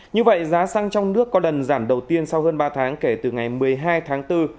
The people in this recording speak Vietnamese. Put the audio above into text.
như vậy giá xăng trong nước có lần giảm đầu tiên sau hơn ba tháng kể từ ngày một mươi hai tháng bốn